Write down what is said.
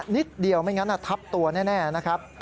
นิดเดียวไม่งั้นทับตัวแน่นะครับ